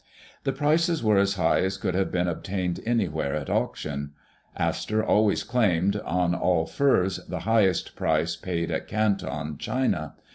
The prices were as high as could have been obtained anywhere at auction. Astor always claimed, on all furs, the highest price paid at Canton, China.